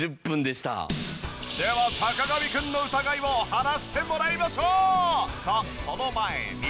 では坂上くんの疑いを晴らしてもらいましょう！とその前に。